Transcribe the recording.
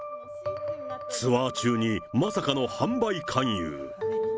ツアー中にまさかの販売勧誘。